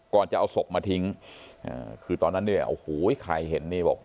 ก่อนจะเอาศพมาทิ้งคือตอนนั้นเนี่ยโอ้โหใครเห็นนี่บอก